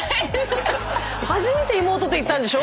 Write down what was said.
初めて妹と行ったんでしょ？